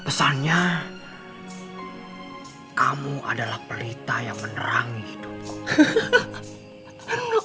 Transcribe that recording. pesannya kamu adalah pelita yang menerangi hidupku